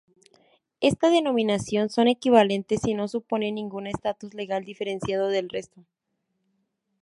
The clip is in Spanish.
Estas denominaciones son equivalentes y no suponen ningún estatus legal diferenciado del resto.